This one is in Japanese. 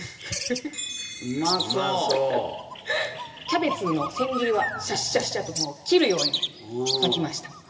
キャベツの千切りはシャッシャッシャともう切るように書きました。